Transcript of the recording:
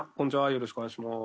よろしくお願いします。